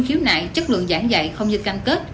khiếu nại chất lượng giảng dạy không như cam kết